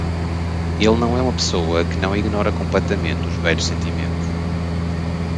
Ele não é uma pessoa que não ignora completamente os velhos sentimentos.